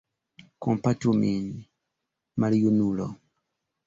Kompatu min, maljunulo!